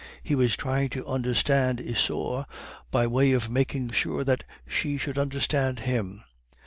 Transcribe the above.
He was trying to understand Isaure, by way of making sure that she should understand him.